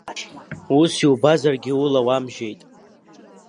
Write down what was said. Ус иубазаргьы, ула уамжьеит.